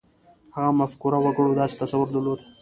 هغه همفکره وګړو داسې تصور درلود.